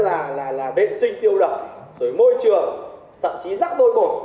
và nhất là là vệ sinh tiêu động rồi môi trường thậm chí rắc rối bộ